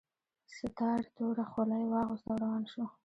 ستار توره خولۍ واغوسته او روان شو